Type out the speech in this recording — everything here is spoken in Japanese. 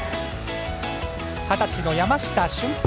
二十歳の山下舜平